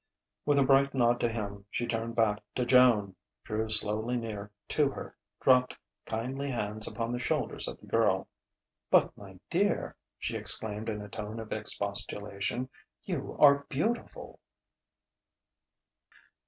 With a bright nod to him, she turned back to Joan; drew slowly near to her; dropped kindly hands upon the shoulders of the girl. "But, my dear!" she exclaimed in a tone of expostulation "you are beautiful!"